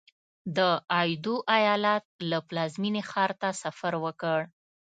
د ایدو ایالت له پلازمېنې ښار ته سفر وکړ.